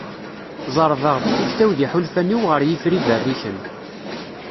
Ẓerrbeɣ-d tikta-w d yiḥulfan-iw ɣer yifri berriken.